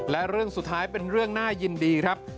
และเรื่องสุดท้ายเป็นเรื่องน่ายินดีครับ